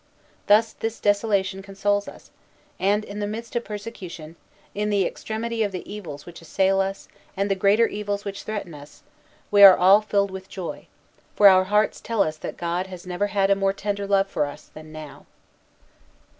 Thus this desolation consoles us; and in the midst of persecution, in the extremity of the evils which assail us and the greater evils which threaten us, we are all filled with joy: for our hearts tell us that God has never had a more tender love for us than now."